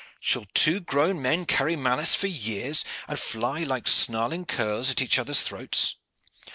shall two grown men carry malice for years, and fly like snarling curs at each other's throats?"